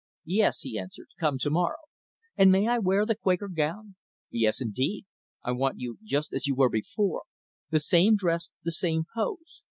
"Yes," he answered, "come to morrow." "And may I wear the Quaker gown?" "Yes, indeed! I want you just as you were before the same dress, the same pose.